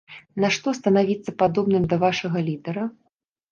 Нашто станавіцца падобным да вашага лідара?!